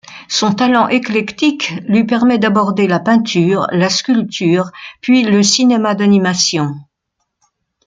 Son talent éclectique lui permet d'aborder la peinture, la sculpture puis le cinéma d'animation.